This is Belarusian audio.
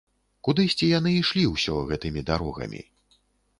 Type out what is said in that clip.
Кудысьці яны ішлі ўсё гэтымі дарогамі.